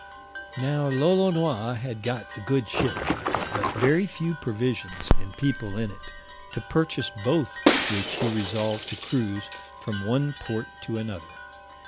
Now Lolonois had got a good ship, but very few provisions and people in it; to purchase both which he resolved to cruise from one port to another.